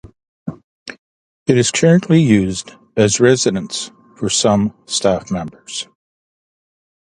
It is currently used as a residence for some staff members.